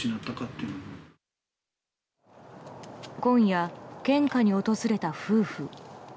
今夜、献花に訪れた夫婦。